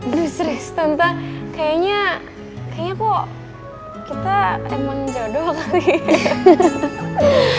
aduh serius tante kayaknya kayaknya kok kita emang jodoh kali ya